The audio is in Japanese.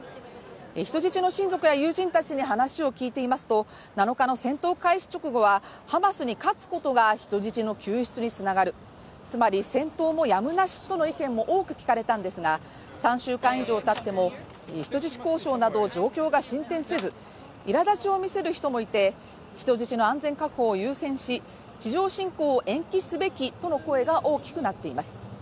人質の親族や友人たちに話を聞いてみますと、７日の戦闘開始直後はハマスに勝つことが人質の救出につながるつまり戦闘もやむなしとの意見も多く聞かれたんですが、３週間以上たっても、人質交渉など状況が進展せず、いらだちを見せる人もいて、人質の安全確保を優先し地上侵攻を延期すべきとの声が大きくなっています。